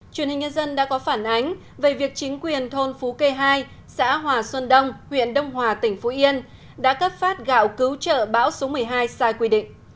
truyền hình nhân dân đã có phản ánh về việc chính quyền thôn phú kê hai xã hòa xuân đông huyện đông hòa tỉnh phú yên đã cấp phát gạo cứu trợ bão số một mươi hai sai quy định